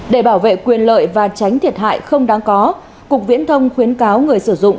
để bảo vệ quyền lợi và tránh thiệt hại không đáng có cục viễn thông khuyến cáo người sử dụng